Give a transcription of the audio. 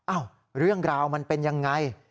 เรื่องราวมันเป็นยังไง